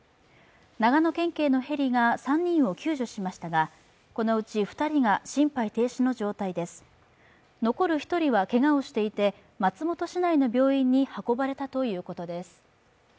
長野県警のヘリが３人を救助しましたが、このうち２人が心肺停止の状態です残る１人はけがをしていて松本市内の病院に運ばれたということです。